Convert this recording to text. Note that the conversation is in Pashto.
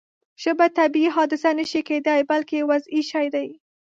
ژبه طبیعي حادثه نه شي کېدای بلکې وضعي شی دی.